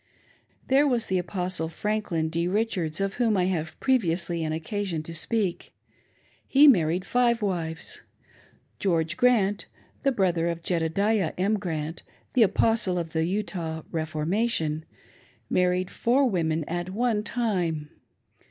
There was the Apostle Franklin D. Richards, of whom I have previously had occasion to speak. He married ^z*!? wives. Geoi ge Grant — the brother of Jede diah M. Grant, the Apostle of the Utah " Reformation "— warn&^fotir women at one time.